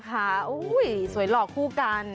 นะคะสวยหลอกคู่กัน